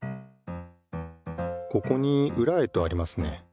ここに「ウラへ」とありますね。